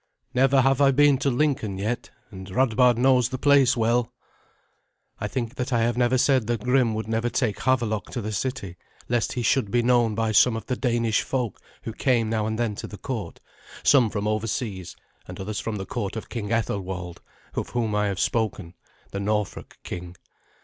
Never have I been to Lincoln yet, and Radbard knows the place well." I think that I have never said that Grim would never take Havelok to the city, lest he should be known by some of the Danish folk who came now and then to the court, some from over seas, and others from the court of King Ethelwald, of whom I have spoken, the Norfolk king.